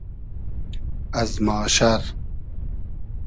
از ماشئر